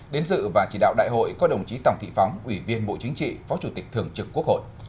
đến dự và chỉ đạo đại hội có đồng chí tổng thị phóng ủy viên bộ chính trị phó chủ tịch thường trực quốc hội